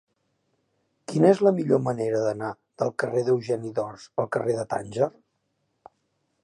Quina és la millor manera d'anar del carrer d'Eugeni d'Ors al carrer de Tànger?